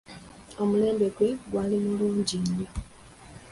Omulembe gwe gwali mulungi nnyo.